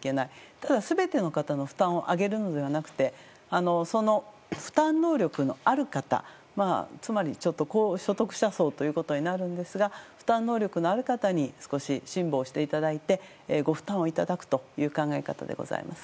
ただ、全ての方の負担を上げるのではなくて負担能力のある方つまり高所得者層ということになるんですが負担能力のある方に少し辛抱していただいてご負担をいただくという考え方でございます。